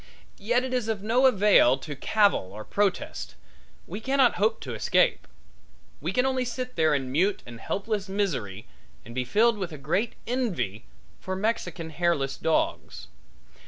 Yet it is of no avail to cavil or protest; we cannot hope to escape; we can only sit there in mute and helpless misery and be filled with a great envy for Mexican hairless dogs.